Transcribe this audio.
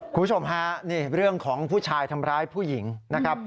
คุณผู้ชมฮะนี่เรื่องของผู้ชายทำร้ายผู้หญิงนะครับ